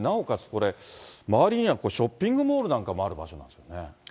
これ、周りにはショッピングモールなんかもある場所なんですね。